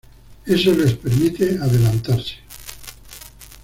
Eso les permite adelantarse.